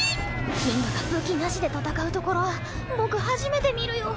キングが武器なしで戦うところ僕初めて見るよ。